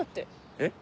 えっ？